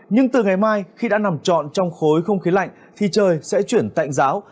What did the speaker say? nhưng từ ngày mai khi đã nằm trọn trong khối không khí lạnh thì trời sẽ chuyển tạnh giáo